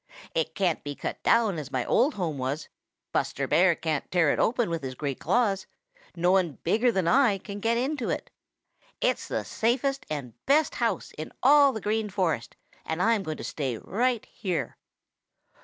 "It can't be cut down as my old home was; Buster Bear can't tear it open with his great claws; no one bigger than I can get into it. It's the safest and best house in all the Green Forest, and I'm going to stay right here."